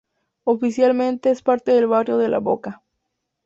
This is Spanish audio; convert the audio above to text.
Oficialmente, es parte del barrio de La Boca.